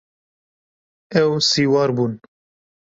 Ew siwar bûn.